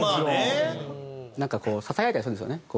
なんかこうささやいたりするんですよね。